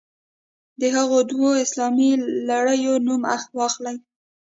د هغو دوو اسلامي لړیو نوم واخلئ.